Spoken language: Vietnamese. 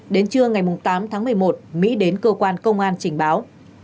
đến trưa ngày tám tháng một mươi một mỹ đến cơ quan công an trình báo